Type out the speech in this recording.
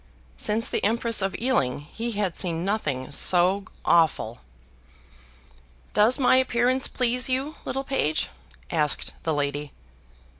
Since the Empress of Ealing, he had seen nothing so awful. "Does my appearance please you, little page?" asked the lady.